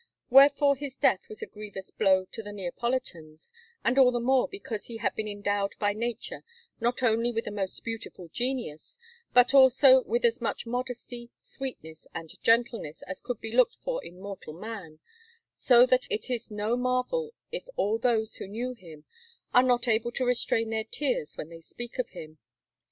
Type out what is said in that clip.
Wherefore his death was a grievous blow to the Neapolitans, and all the more because he had been endowed by nature not only with a most beautiful genius, but also with as much modesty, sweetness, and gentleness as could be looked for in mortal man; so that it is no marvel if all those who knew him are not able to restrain their tears when they speak of him.